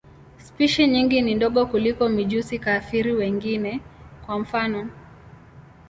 Spishi nyingi ni ndogo kuliko mijusi-kafiri wengine, kwa mfano.